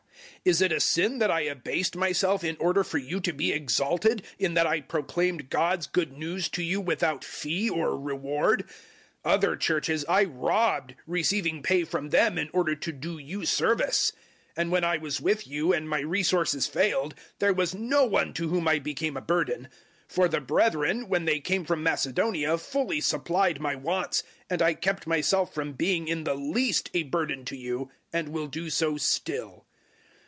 011:007 Is it a sin that I abased myself in order for you to be exalted, in that I proclaimed God's Good News to you without fee or reward? 011:008 Other Churches I robbed, receiving pay from them in order to do you service. 011:009 And when I was with you and my resources failed, there was no one to whom I became a burden for the brethren when they came from Macedonia fully supplied my wants and I kept myself from being in the least a burden to you, and will do so still.